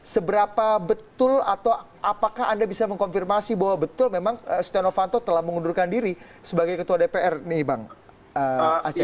seberapa betul atau apakah anda bisa mengkonfirmasi bahwa betul memang setia novanto telah mengundurkan diri sebagai ketua dpr nih bang aceh